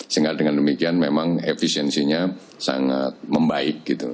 sehingga dengan demikian memang efisiensinya sangat membaik gitu